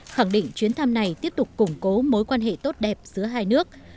khẳng định chuyến thăm này tiếp tục củng cố mối quan hệ tốt đẹp giữa hai nước